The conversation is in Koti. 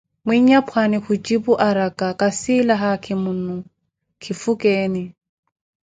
Mwinyapwaani kujipu araka, kasiila haakimunnu, kifukeni.